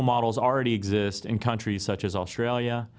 modal yang berhasil sudah wujud di negara negara seperti australia